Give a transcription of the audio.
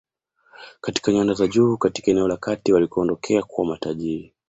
Katika nyanda za juu katika eneo la kati walikoondokea kuwa matajiri